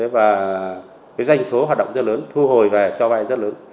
và cái danh số hoạt động rất lớn thu hồi về cho vai rất lớn